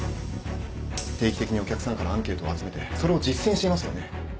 定期的にお客さんからアンケートを集めてそれを実践していますよね。